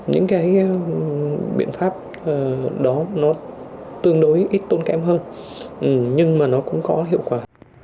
những cái biện pháp đó nó tương đối ít tốn kém hơn nhưng mà nó cũng có hiệu quả